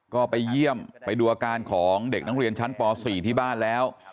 ก็ไปเยี่ยมไปดูอาการของเด็กนักเรียนชั้นป๔ที่บ้านแล้ว